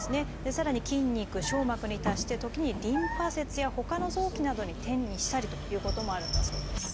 さらに筋肉しょう膜に対して時にリンパ節やほかの臓器などに転移したりということもあるんだそうです。